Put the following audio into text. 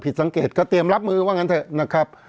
เพราะฉะนั้นประชาธิปไตยเนี่ยคือการยอมรับความเห็นที่แตกต่าง